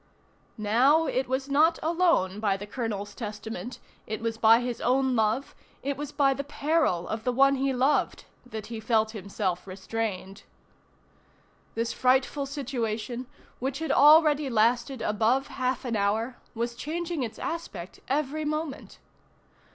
Now, it was not alone by the colonel's testament, it was by his own love, it was by the peril of the one he loved, that he felt himself restrained. This frightful situation, which had already lasted above half an hour, was changing its aspect every moment.